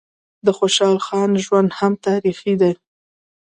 د خوشحال خان ژوند هم تاریخي دی.